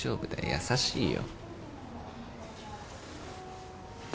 優しいよ。